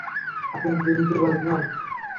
আপনি দুর্নীতিবাজ নন।